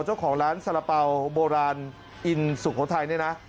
เจ้าของร้านสาระเป๋าโบราณอินสุโขทัยเนี่ยนะ